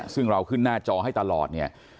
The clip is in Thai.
ซึ่งเราขึ้นหน้าจอให้ตลอดเนี่ย